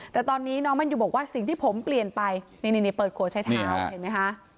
แต่ตอนนี้น้องแมนยูบอกว่าสิ่งที่ผมเปลี่ยนไปนี่เปิดขวดใช้เท้าเห็นไหมคะ